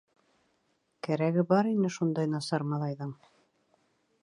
Кәрәге бар ине шундай насар малайҙың.